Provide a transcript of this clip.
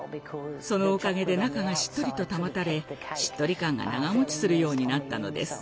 そのおかげで中がしっとりと保たれしっとり感が長持ちするようになったのです。